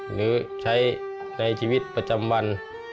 หรือใช้ในชีวิตประจำวัน